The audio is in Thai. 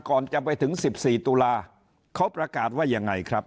ก่อนจะไปถึง๑๔ตุลาเขาประกาศว่ายังไงครับ